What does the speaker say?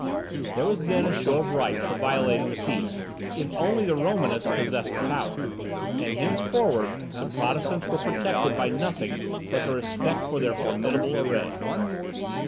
There was then a show of right for violating the peace, if only the Romanists possessed the power; and henceforward the Protestants were protected by nothing but the respect for their formidable array.